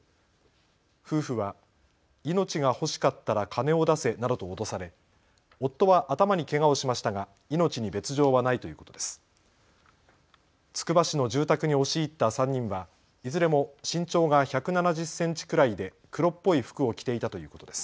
夫婦は命が欲しかったら金を出せなどと脅され、夫は頭にけがをしましたが命に別状はないということです。